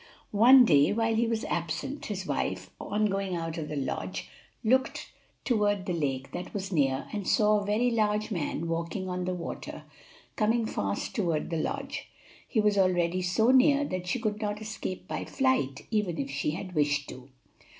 One day while he was absent, his wife, on going out of the lodge, looked toward the lake that was near and saw a very large man walking on the water, coming fast toward the lodge. He was already so near that she could not escape by flight, even if she had wished to.